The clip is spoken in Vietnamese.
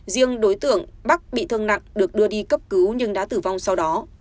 riêng đối tượng bắc bị thương nặng được đưa đi cấp cứu nhưng đã tử vong sau đó